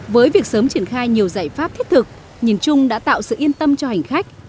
với việc sớm triển khai nhiều giải pháp thiết thực nhìn chung đã tạo sự yên tâm cho hành khách